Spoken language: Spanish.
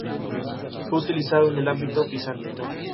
Fue utilizado en el ámbito bizantino.